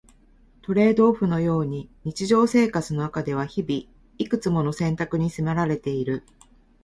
トレードオフのように日常生活の中では日々、いくつもの選択に迫られている。